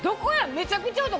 めちゃくちゃお得！